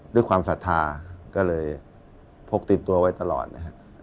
ด้วยความศรัทธาก็เลยพกติดตัวไว้ตลอดนะครับ